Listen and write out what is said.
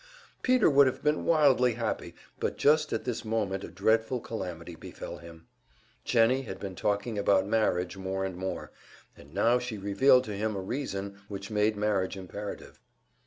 Peter would have been wildly happy, but just at this moment a dreadful calamity befell him. Jennie had been talking about marriage more and more, and now she revealed to him a reason which made marriage imperative.